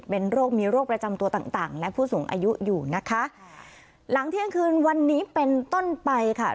เป็นโรคมีโรคประจำตัวต่างต่างและผู้สูงอายุอยู่นะคะหลังเที่ยงคืนวันนี้เป็นต้นไปค่ะ